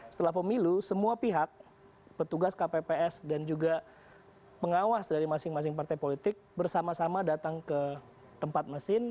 setelah pemilu semua pihak petugas kpps dan juga pengawas dari masing masing partai politik bersama sama datang ke tempat mesin